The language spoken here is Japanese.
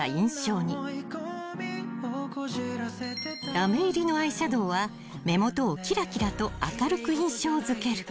［ラメ入りのアイシャドーは目元をきらきらと明るく印象付ける］